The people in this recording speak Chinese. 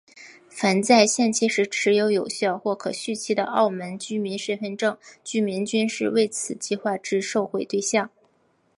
凡在限期时持有有效或可续期的澳门居民身份证居民均是为此计划之受惠对象。